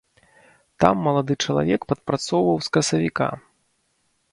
Там малады чалавек падпрацоўваў з красавіка.